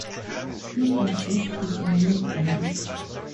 He agreed to a -year deal.